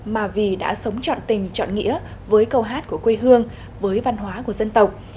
mà vì đã sống trọn tình chọn nghĩa với câu hát của quê hương với văn hóa của dân tộc